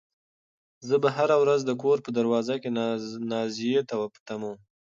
زه به هره ورځ د کور په دروازه کې نازيې ته په تمه وم.